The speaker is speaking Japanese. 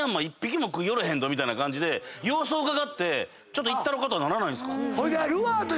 みたいな感じで様子をうかがってちょっと行ったろか？とはならないんですか？